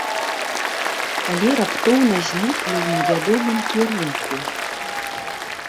Але раптоўна зніклі ў невядомым кірунку.